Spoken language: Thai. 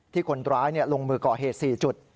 ที่คนร้ายลงมือก่อเหตุ๔จุด